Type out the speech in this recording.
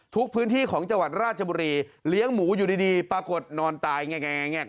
ทุกพื้นที่ของจังหวัดราชบุรีเลี้ยงหมูอยู่ดีดีปรากฏนอนตายแง่งแง่งแง่ง